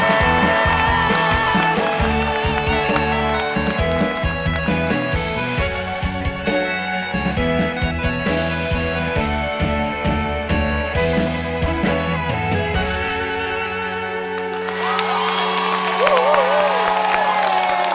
และมันเป็นนายที่เหลืองัก